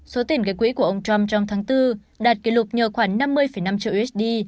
số tiền gây quỹ của ông trump trong tháng bốn đạt kỷ lục nhờ khoảng năm mươi năm triệu usd